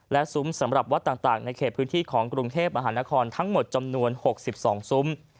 และซุ้มสำหรับวัดต่างในเขตพื้นที่ของกรุงเทพมหานครทั้งหมดจำนวน๖๒ซุ้ม